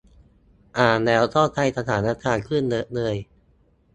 อ่านแล้วเข้าใจสถานการณ์ขึ้นเยอะเลย